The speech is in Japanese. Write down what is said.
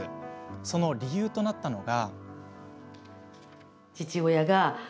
その理由となったのが。